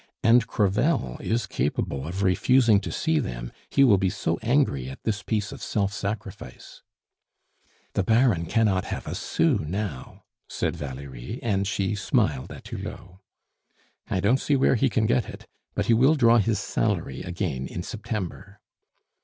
And Crevel is capable of refusing to see them; he will be so angry at this piece of self sacrifice." "The Baron cannot have a sou now," said Valerie, and she smiled at Hulot. "I don't see where he can get it. But he will draw his salary again in September."